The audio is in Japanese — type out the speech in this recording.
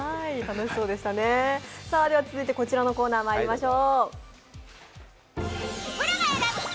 続いてこちらのコーナーにまいりましょう。